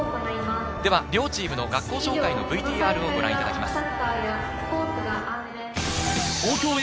では両チームの学校紹介のＶＴＲをご覧東京Ａ